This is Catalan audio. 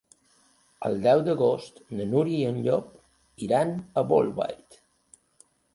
El deu d'agost na Núria i en Llop iran a Bolbait.